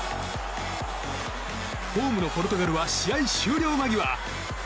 ホームのポルトガルは試合終了間際。